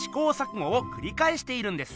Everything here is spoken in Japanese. ごをくりかえしているんです。